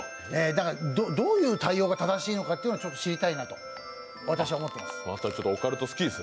どういう対応が正しいのかを知りたいと思っています。